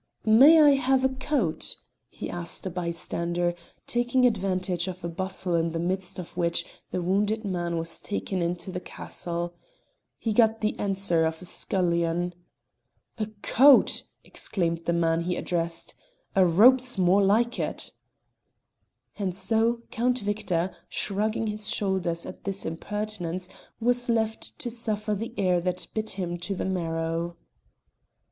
"May I have a coat?" he asked a bystander, taking advantage of a bustle in the midst of which the wounded man was taken into the castle. He got the answer of a scullion. "A coat!" exclaimed the man he addressed. "A rope's more like it." And so, Count Victor, shrugging his shoulders at this impertinence, was left to suffer the air that bit him to the marrow.